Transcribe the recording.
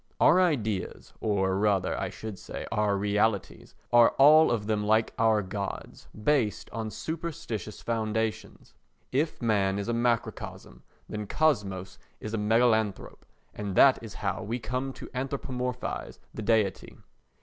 Our ideas, or rather, I should say, our realities, are all of them like our Gods, based on superstitious foundations. If man is a microcosm then kosmos is a megalanthrope and that is how we come to anthropomorphise the deity.